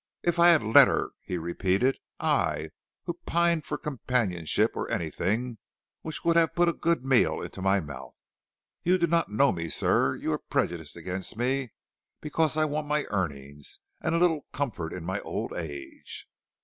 "If I had let her," he repeated; "I, who pined for companionship or anything which would have put a good meal into my mouth! You do not know me, sir; you are prejudiced against me because I want my earnings, and a little comfort in my old age."